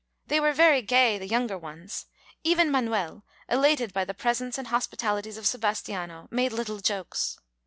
They were very gay, the younger ones; even Manuel, elated by the presence and hospitalities of Sebastiano, made little jokes.